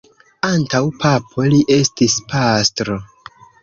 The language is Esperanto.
Antaŭ papo, li estis pastro.